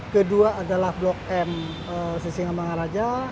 kedua adalah blok m sisingamangaraja